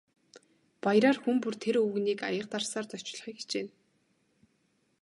Баяраар хүн бүр тэр өвгөнийг аяга дарсаар зочлохыг хичээнэ.